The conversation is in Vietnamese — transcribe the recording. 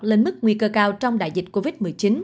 lên mức nguy cơ cao trong đại dịch covid một mươi chín